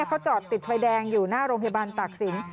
เขาจอดติดไฟแดงอยู่หน้าโรงพยาบาลตากศิลป